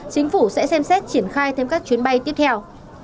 chính phủ sẽ xem xét triển khai thêm các chuyến bay tiếp theo